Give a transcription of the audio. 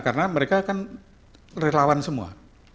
karena mereka kan relawan semua